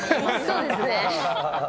そうですね。